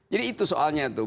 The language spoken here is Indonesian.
jadi itu soalnya tuh